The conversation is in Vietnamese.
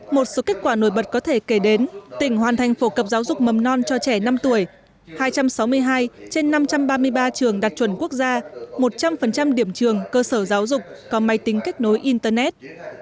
một số kết quả nổi bật có thể kể đến tỉnh hoàn thành phổ cập giáo dục mầm non cho trẻ năm tuổi hai trăm sáu mươi hai trên năm trăm ba mươi ba trường đạt chuẩn quốc gia một trăm linh điểm trường cơ sở giáo dục có máy tính kết nối internet